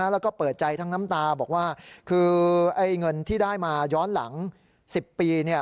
แล้วก็เปิดใจทั้งน้ำตาบอกว่าคือเงินที่ได้มาย้อนหลัง๑๐ปี